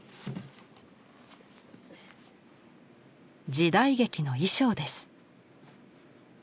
時代劇の衣装です。